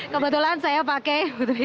kebetulan saya pakai